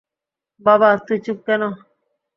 বাবা, তুই চুপ কেন?